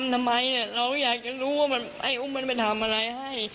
ให้อุ้มมันไปทำอะไรให้